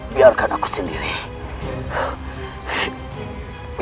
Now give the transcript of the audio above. biar aku berdaya saja paman